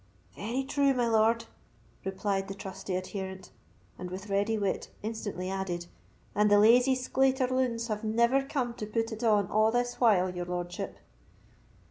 "Very true, my lord," replied the trusty adherent, and with ready wit instantly added, "and the lazy sclater loons have never come to put it on a' this while, your lordship."